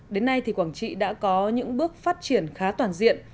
đến nay thì quảng trị đã có những bước phát triển khá toàn diện